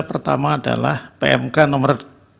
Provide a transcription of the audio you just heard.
pertama adalah pmk nomor